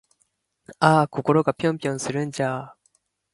あぁ〜心がぴょんぴょんするんじゃぁ〜